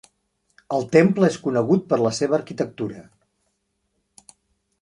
El temple és conegut per la seva arquitectura.